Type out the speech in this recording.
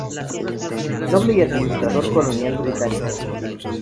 Noble y Administrador Colonial Británico.